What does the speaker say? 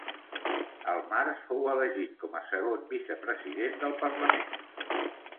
Al març fou elegit com a segon vicepresident del parlament.